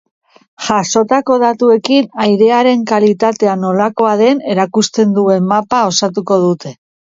Jasotako datuekin airearen kalitatea nolakoa den erakusten duen mapa osatuko dute.